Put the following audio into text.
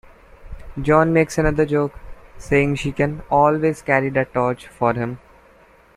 John makes another joke, saying she can "always carry that torch" for him.